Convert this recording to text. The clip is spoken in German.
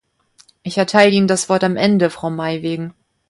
Ich erteile Ihnen das Wort am Ende, Frau Maij-Weggen.